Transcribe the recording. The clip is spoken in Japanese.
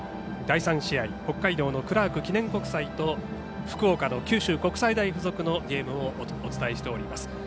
第３試合北海道のクラーク記念国際と福岡の九州国際大付属のゲームをお伝えしております。